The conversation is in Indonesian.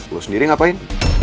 lo sendiri ngapain